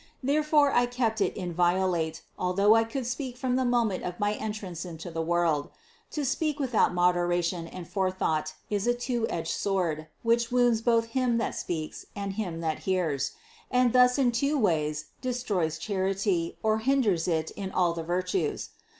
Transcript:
Therefore I kept it inviolate, although I could speak from the moment of my entrance into the world. To speak without moderation and forethought is a two edged sword, which wounds both him that speaks and him that hears, and thus in two ways destroys charity or hinders it in all the virtues.